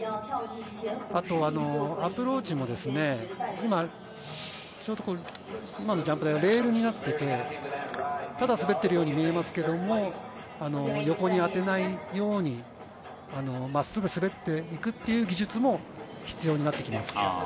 あとアプローチも、今のジャンプ台はレールになっていて、ただ滑っているように見えますけれども、横に当てないように、真っすぐ滑っていくっていう技術も必要になってきます。